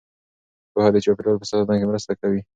پوهه د چاپیریال په ساتنه کې مرسته کوي.